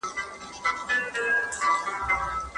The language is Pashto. روهیلې پښتانه د احمدشاه بابا په پلوۍ ودرېدل.